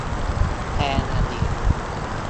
แพงอ่ะดิ